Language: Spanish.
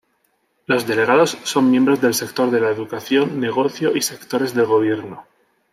Los delegados son miembros del sector de la educación, negocio y sectores de gobierno.